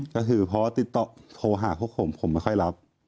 ก็คือเพราะว่าติดต่อโทรหาพวกผมผมไม่ค่อยรับ